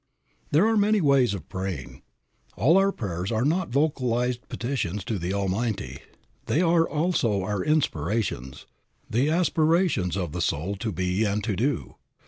There are many ways of praying. All our prayers are not vocalized petitions to the Almighty. They are also our inspirations, the aspirations of the soul to be and to do.